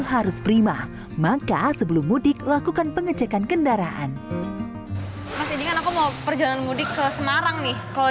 harus prima maka sebelum mudik lakukan pengecekan kendaraan perjalanan mudik ke semarang nih kalau